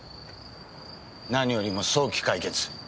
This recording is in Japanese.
何よりも早期解決。